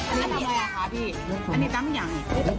อันนี้มีอะไรอ่ะคะพี่อันนี้ตั้งยัง